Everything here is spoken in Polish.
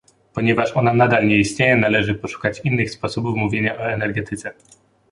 Ponieważ ona nadal nie istnieje, należy poszukać innych sposobów mówienia o energetyce